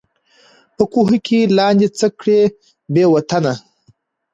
په کوهي کي لاندي څه کړې بې وطنه